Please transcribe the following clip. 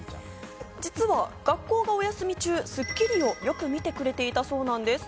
実は学校がお休み中、『スッキリ』をよく見てくれていたそうなんです。